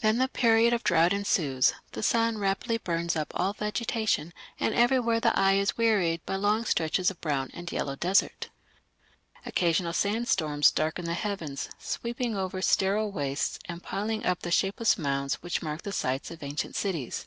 Then the period of drought ensues; the sun rapidly burns up all vegetation, and everywhere the eye is wearied by long stretches of brown and yellow desert. Occasional sandstorms darken the heavens, sweeping over sterile wastes and piling up the shapeless mounds which mark the sites of ancient cities.